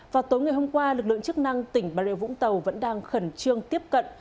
vào tối ngày hôm qua lực lượng chức năng tỉnh bà rịa vũng tàu vẫn đang khẩn trương tiếp cận